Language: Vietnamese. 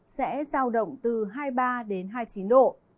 sẽ giao động từ hai mươi ba đến hai mươi chín độ